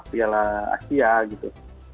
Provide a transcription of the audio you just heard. biarlah asia gitu